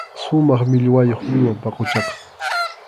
Sumaq millwayuq uywam paquchaqa.